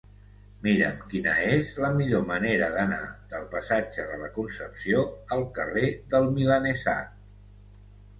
Mira'm quina és la millor manera d'anar del passatge de la Concepció al carrer del Milanesat.